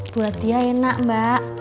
buat dia enak mbak